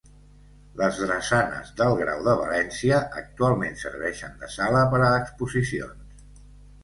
Les Drassanes del Grau de València actualment serveixen de sala per a exposicions.